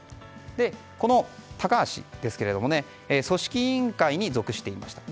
この高橋氏組織委員会に属していました。